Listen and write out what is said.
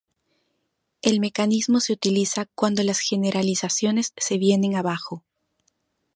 El mecanismo se utiliza cuando las generalizaciones se vienen abajo.